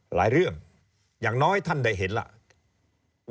หลายเรื่องอย่างน้อยท่านได้เห็นแล้ว